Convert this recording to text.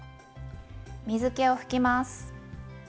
水けを拭きます。